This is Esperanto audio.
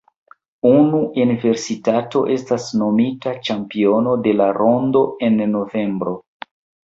Unu universitato estas nomita ĉampiono de la rondo en novembro.